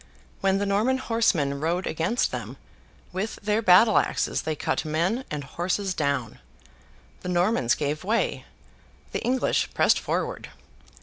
When the Norman horsemen rode against them, with their battle axes they cut men and horses down. The Normans gave way. The English pressed forward.